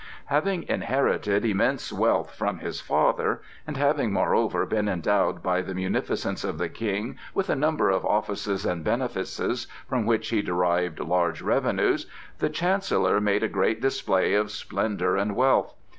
Having inherited immense wealth from his father, and having, moreover, been endowed by the munificence of the King with a number of offices and benefices from which he derived large revenues, the Chancellor made a great display of splendor and wealth.